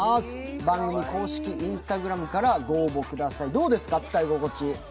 番組公式Ｉｎｓｔａｇｒａｍからご応募ください、どうですか使い心地？